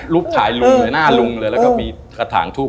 ถ่ายลุงเลยหน้าลุงเลยแล้วก็มีกระถางทูบ